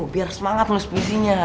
biar semangat lo sportiness nya